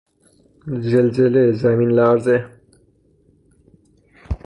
زلزله، زمین لرزه